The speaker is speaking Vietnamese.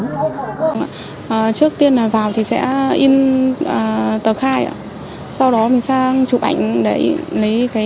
trước tiên vào thì sẽ in tờ khai